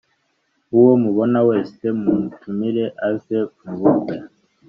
uwo mubona wese mumutumire aze mu bukwe